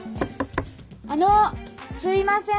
あのすいません。